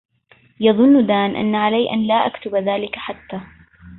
يظن دان أن علي أن لا أكتب ذلك حتى.